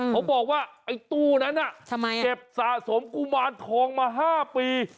เขาบอกว่าไอ้ตู้นั้นเก็บสะสมกุมารทองมา๕ปี